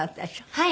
はい。